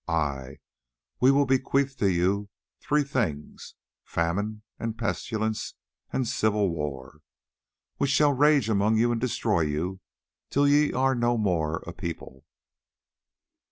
Ay, we will bequeath to you three things: famine and pestilence and civil war, which shall rage among you and destroy you till ye are no more a people.